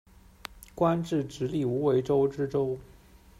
官至直隶无为州知州。